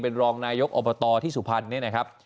เป็นรองนายกอบตที่สุพรรณเนี่ยนะครับ